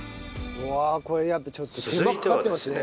うわこれやっぱ手間かかってますね